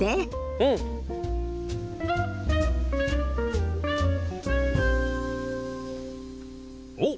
うん！おっ！